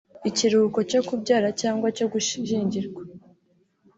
ikiruhuko cyo kubyara cyangwa cyo gushyingirwa